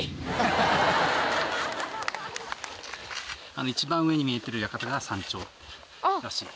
あの一番上に見えてる館が山頂らしい。